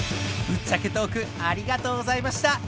ぶっちゃけトークありがとうございました。